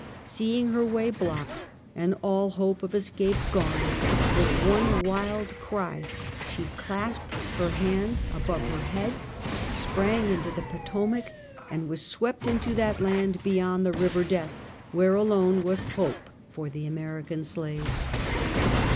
Seeing her way blocked, and all hope of escape gone, with one wild cry she clasped her hands above her head, sprang into the Potomac, and was swept into that land beyond the River Death, where alone was hope for the American slave.